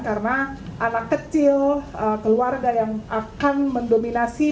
karena anak kecil keluarga yang akan mendominasi